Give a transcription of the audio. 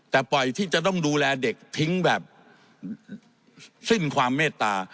แต่ปล่อยที่จะต้องดูแลเด็กทิ้งแบบสิ้นความเมตตา